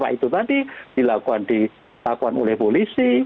karena itu tadi dilakukan oleh polisi